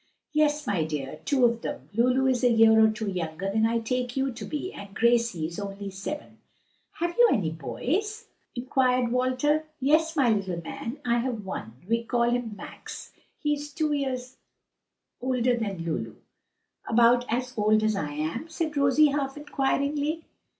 "Yes, my dear, two of them. Lulu is a year or two younger than I take you to be, and Gracie is only seven." "Have you any boys?" inquired Walter. "Yes, my little man; I have one. We call him Max. He is two years older than Lulu." "About as old as I am?" said Rosie half inquiringly.